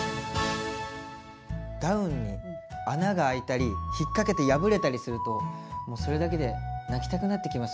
ダウンに穴があいたり引っ掛けて破れたりするともうそれだけで泣きたくなってきますよね。